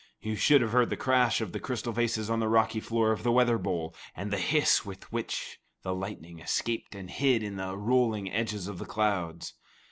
You should have heard the crash of the crystal vases on the rocky floor of the weather bowl, and the hiss with which the lightning escaped and hid in the rolling edges of the clouds.